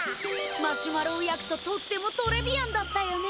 マシュマロを焼くととってもトレビアンだったよね。